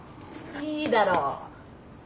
いいだろ。